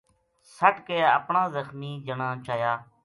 سَٹ کے اپنا زخمی جنا چایا